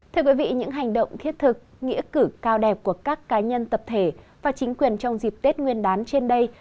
thưa quý vị những hành động thiết thực nghĩa cử cao đẹp của các cá nhân tập thể và chính quyền trong dịp tết nguyên đán trên đây